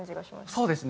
そうですね。